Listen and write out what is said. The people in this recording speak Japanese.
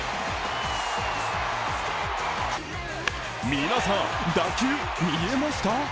皆さん、打球、見えました？